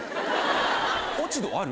落ち度ある？